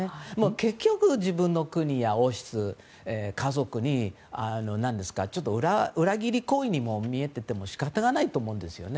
結局、自分の国や王室、家族にちょっと裏切り行為にも見えていても仕方ないと思うんですよね。